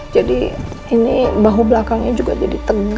jadi ini bahu belakangnya juga jadi kering